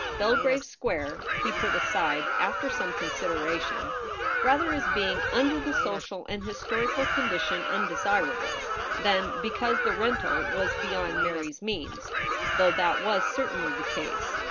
Belgrave Square he put aside, afier some consideration, rather as being under the social and historical condition un desirable, than because the rental was beyond Mary's means, though that was certainly the case.